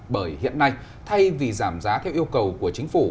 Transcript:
bởi hiện nay thay vì giảm giá theo yêu cầu của chính phủ